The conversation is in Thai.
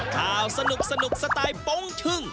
ข่าวสนุกสนุกสไตล์ป้องชึ้ง